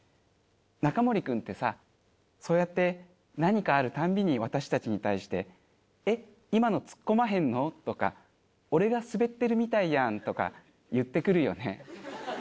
ナカモリ君ってさそうやって何かあるたんびに私たちに対して「えっ今のツッコまへんの？」とか「俺がスベってるみたいやん」とか言ってくるよね。